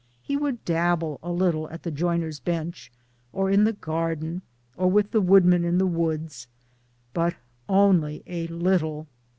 He would dabble a little at the joiner's bench, or in the garden, or with the woodmen in the woods but only a little.